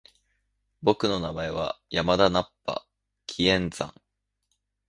僕の名前は山田ナッパ！気円斬！